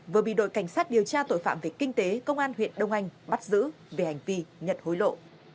vừa bị đội cảnh sát điều tra tội phạm về kinh tế công an huyện đông anh bắt giữ về hành vi nhận hối lộ